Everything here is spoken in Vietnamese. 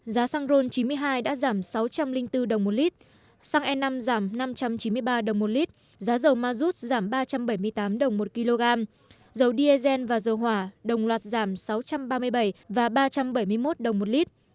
giá xăng ron chín mươi hai đã giảm sáu trăm linh bốn đồng một lít xăng e năm giảm năm trăm chín mươi ba đồng một lít giá dầu ma rút giảm ba trăm bảy mươi tám đồng một kg dầu diesel và dầu hỏa đồng loạt giảm sáu trăm ba mươi bảy và ba trăm bảy mươi một đồng một lít